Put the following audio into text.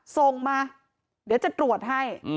ส่งมาเดี๋ยวจะตรวจให้